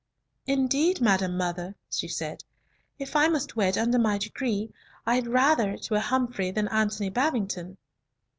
"Indeed, madam mother," she said, "if I must wed under my degree, I had rather it were Humfrey than Antony Babington."